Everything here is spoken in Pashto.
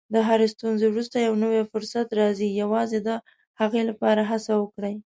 د هرې ستونزې وروسته یو نوی فرصت راځي، یوازې د هغې لپاره هڅه وکړئ.